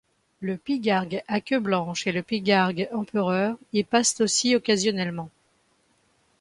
Le pygargue à queue blanche et le pygargue empereur y passent aussi occasionnellement.